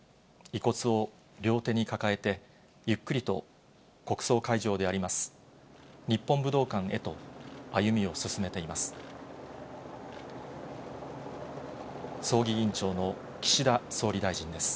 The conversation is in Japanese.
遺骨を両手に抱えて、ゆっくりと、国葬会場であります、日本武道館へと歩みを進めています。